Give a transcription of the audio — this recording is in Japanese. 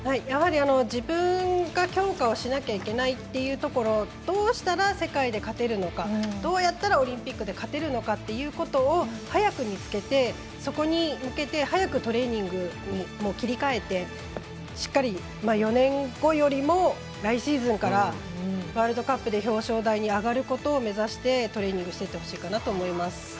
やはり自分が強化をしなきゃいけないというところどうしたら世界で勝てるのかどうやったらオリンピックで勝てるのかということを早く見つけてそこに向けて早くトレーニングに切り換えてしっかり４年後よりも来シーズンからワールドカップで表彰台に上がることを目指してトレーニングしていってほしいかなと思います。